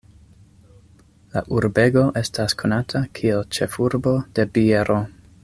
La urbego estas konata kiel "Ĉefurbo de biero".